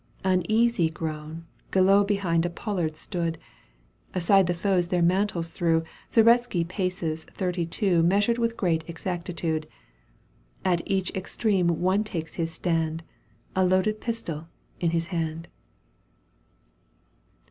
Uneasy grown, Guillot behind a pollard stood ; Aside the foes their mantles threw, Zaretski paces thirty two Measured with great exactitude. At each extreme one takes his stand, A loaded pistol in his hand.